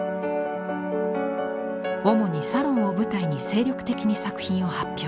主にサロンを舞台に精力的に作品を発表。